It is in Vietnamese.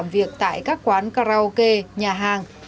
việc tại các quán karaoke nhà hàng